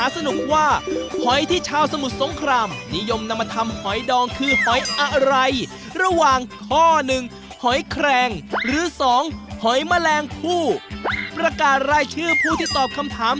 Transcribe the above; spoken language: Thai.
สวัสดีครับ